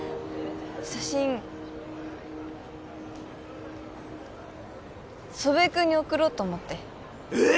写真祖父江君に送ろうと思ってえっ！？